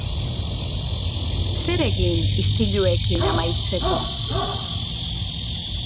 Zer egin istiluekin amaitzeko?